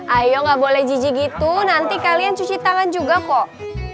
ayo gak boleh jijik gitu nanti kalian cuci tangan juga kok